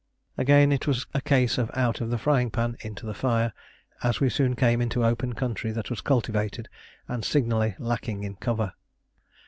Again it was a case of out of the frying pan into the fire, as we soon came into open country that was cultivated and signally lacking in cover.